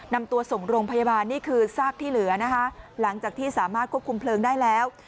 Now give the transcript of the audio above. นำตัวส่งโรงพยาบาลนี่คือซากที่เหลือนะคะหลังจากที่สามารถควบคุมเพลิงได้แล้ว